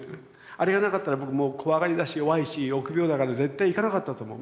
あれがなかったら僕もう怖がりだし弱いし臆病だから絶対いかなかったと思う。